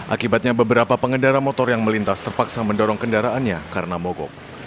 akibatnya beberapa pengendara motor yang melintas terpaksa mendorong kendaraannya karena mogok